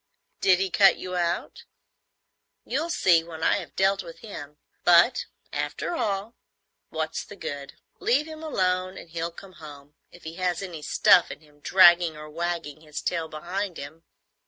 "Did he cut you out?" "You'll see when I have dealt with him. But, after all, what's the good? Leave him alone and he'll come home, if he has any stuff in him, dragging or wagging his tail behind him.